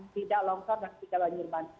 tidak longsor dan tidak banjir